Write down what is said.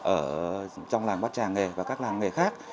ở trong làng bát tràng nghề và các làng nghề khác